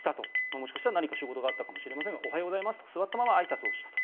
もしかしたら何か仕事があったかもしれませんがおはようございますと座ったままあいさつをしたと。